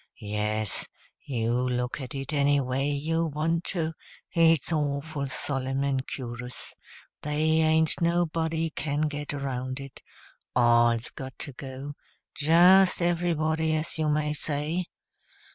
Yes, you look at it any way you want to, it's awful solemn and cur'us: they ain't nobody can get around it; all's got to go just everybody, as you may say.